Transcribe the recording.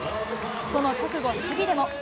その直後、守備でも。